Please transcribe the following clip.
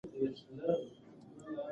کتاب هیڅکله وفادار نه پاتې کېږي.